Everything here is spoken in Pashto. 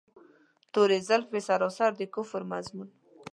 توري زلفې سراسر د کفر مضمون.